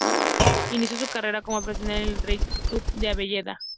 Inició su carrera como profesional en Racing Club de Avellaneda.